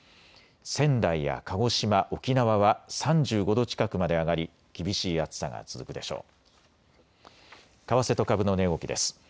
仙台や鹿児島、沖縄は３５度近くまで上がり厳しい暑さが続くでしょう。